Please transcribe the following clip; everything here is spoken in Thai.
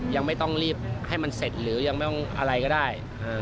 ยังไม่ต้องรีบให้มันเสร็จหรือยังไม่อะไรก็ได้